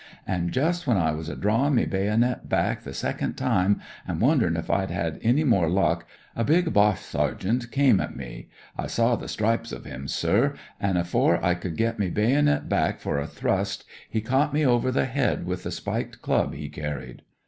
An' jus' when I was drawin' me baynit back the second time an' wonderin' if I'd have any more luck, a big Boche sergeant come at me — I saw the stripes of him, sir. "STICKFAST" AND OFFICER 159 an' afore I could get me baynit back for a thrust he caught me over the head with the spiked club he carried.